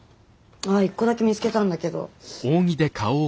あぁ１個だけ見つけたんだけど。